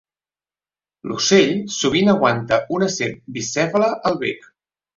L'ocell sovint aguanta una serp bicèfala al bec.